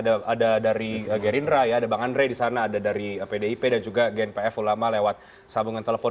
ada dari gerindra ya ada bang andre di sana ada dari pdip dan juga gnpf ulama lewat sambungan telepon